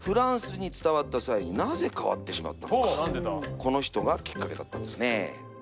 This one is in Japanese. この人がきっかけだったんですね。